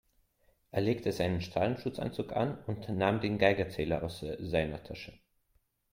Er legte seinen Strahlenschutzanzug an und nahm den Geigerzähler aus seiner Tasche.